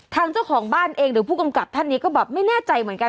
เจ้าของบ้านเองหรือผู้กำกับท่านนี้ก็แบบไม่แน่ใจเหมือนกัน